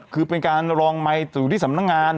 คือเป็นการรองไมค์อยู่ที่สำนักงาน